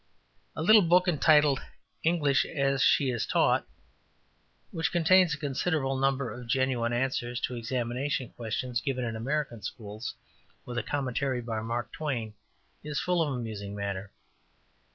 '' The little book entitled English as she is Taught, which contains a considerable number of genuine answers to examination questions given in American schools, with a Commentary by Mark Twain, is full of amusing matter.